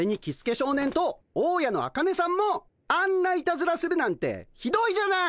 少年と大家のアカネさんもあんないたずらするなんてひどいじゃない！